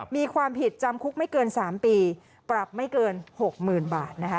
มีความผิดจำคุกไม่เกิน๓ปีปรับไม่เกิน๖๐๐๐บาทนะคะ